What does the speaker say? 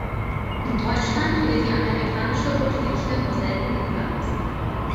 In Deutschland wird die Amerikanische Rot-Fichte nur selten gepflanzt.